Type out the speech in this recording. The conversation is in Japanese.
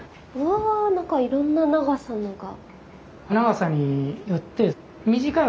わ何かいろんな長さのが。